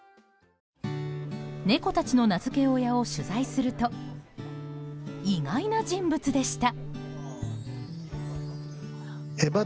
猫たちの名付け親を取材すると意外な人物でした。